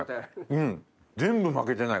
うん全部負けてない。